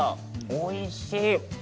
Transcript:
おいしい。